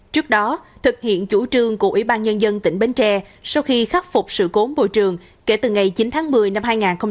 trước đó thực hiện chủ trương của ủy ban nhân dân tỉnh bến tre sau khi khắc phục sự cố bộ trường kể từ ngày chín tháng một mươi năm hai nghìn một mươi tám